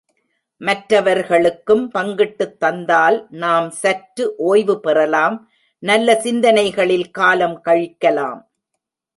மற்றவர்களுக்கும் பங்கிட்டுத் தந்தால் நாம் சற்று ஓய்வு பெறலாம் நல்ல சிந்தனைகளில் காலம் கழிக்கலாம்.